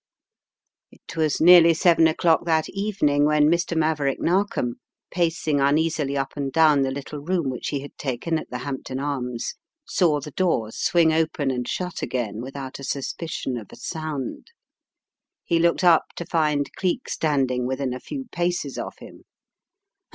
••••••• It was nearly seven o'clock that evening when Mr. Maverick Narkom, pacing uneasily up and down the little room which he had taken at the Hampton Arms, saw the door swing open and shut again without a suspicion of a sound. He looked up to find Cleek standing within a few paces of him.